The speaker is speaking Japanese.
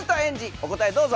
お答えどうぞ。